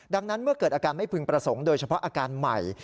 ดังนั้นเมื่อเกิดอาการไม่พึงประสงค์โดยเฉพาะอาการใหม่